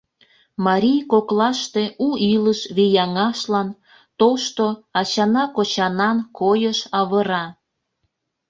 Марий коклаште у илыш вияҥашлан тошто, ачана-кочанан, койыш авыра.